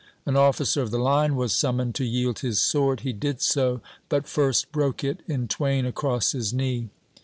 An officer of the Line was summoned to yield his sword. He did so, but first broke it in twain across his knee.